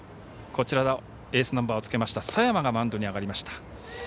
こちらエースナンバーをつけた佐山がマウンドに上がりました。